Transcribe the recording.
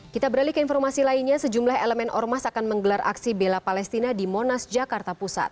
kita beralih ke informasi lainnya sejumlah elemen ormas akan menggelar aksi bela palestina di monas jakarta pusat